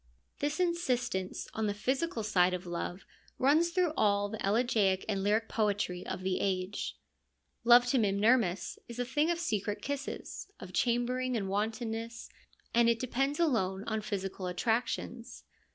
This insistence on the physical side of love runs through all the elegiac and lyric poetry of the age. Love to Mimnermus is a thing of secret kisses, of chambering and wantonness, and it depends alone on physical attractions.